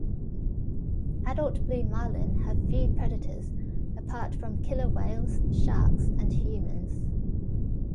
Adult blue marlin have few predators apart from killer whales, sharks, and humans.